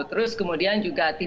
terus kemudian juga tidak optimis